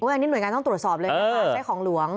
เหมือนกันต้องตรวจสอบเลยหลายของหลวง